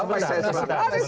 oke sebentar sebentar